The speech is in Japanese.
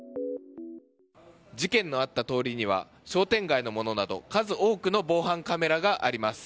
事件のあった通りには商店街のものなど数多くの防犯カメラがあります。